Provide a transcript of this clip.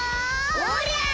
おりゃあ！